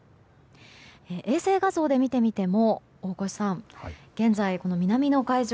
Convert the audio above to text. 衛星画像で見てみても大越さん、現在の南の海上